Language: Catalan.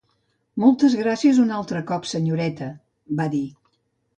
"Moltes gràcies un altre cop, senyoreta" va dir.